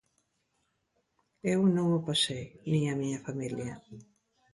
Eu non o pasei, nin a miña familia.